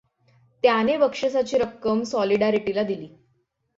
त्याने बक्षिसाची रक्कम सॉलिडारिटीला दिली.